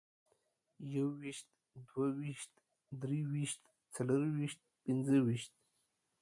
يويشت، دوه ويشت، درويشت، څلرويشت، پينځويشت